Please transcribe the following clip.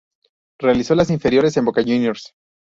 Realizó las inferiores en Boca Juniors.